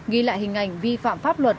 ghi lại hình ảnh vi phạm pháp luật